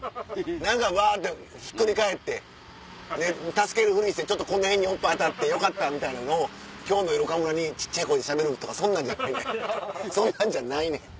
何かうわってひっくり返って助けるふりしてちょっとこの辺におっぱい当たってよかったみたいなのを今日の夜岡村に小っちゃい声でしゃべるとかそんなんじゃないねんそんなんじゃないねん。